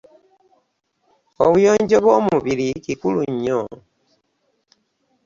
Obuyonjo bwomubiri Kikulu nnyo.